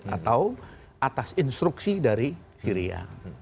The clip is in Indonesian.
atau atas instruksi dari syria